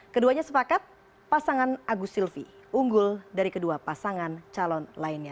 keduanya sepakat pasangan agus silvi unggul dari kedua pasangan calon lainnya